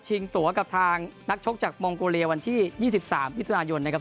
ตัวกับทางนักชกจากมองโกเลียวันที่๒๓มิถุนายนนะครับ